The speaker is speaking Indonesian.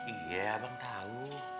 iya abang tahu